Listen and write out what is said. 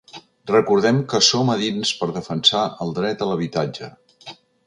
Recordem que som a dins per defensar el dret a l’habitatge.